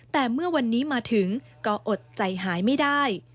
แต่เมื่อวันนี้มาถึงก็อดใจหายไม่ได้